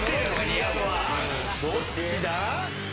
どっちだ？